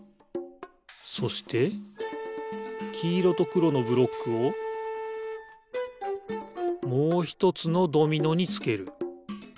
そしてきいろとくろのブロックをもうひとつのドミノにつける。